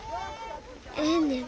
ええねん。